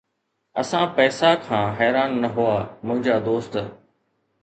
اسان پئسا کان حيران نه هئا، منهنجا دوست